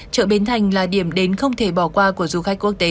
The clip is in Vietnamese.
chợ bến thành là điểm đến không thể bỏ qua của du khách quốc tế